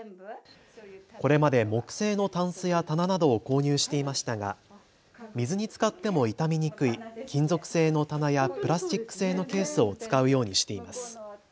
これまで木製のたんすや棚などを購入していましたが水につかっても傷みにくい金属製の柵やプラスチック製のケースを使うようにしています。